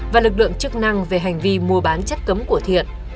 và lực lượng chức năng về hành vi mua bán chất cấm của thiện